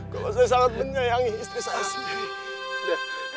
kau harus sangat menyayangi istri saya sendiri